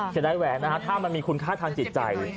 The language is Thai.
เสียดายแหวนนะฮะถ้ามันมีคุณค่าทางจิตใจ